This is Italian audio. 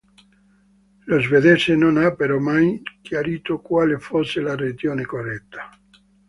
Lo svedese non ha però mai chiarito quale fosse la ragione corretta.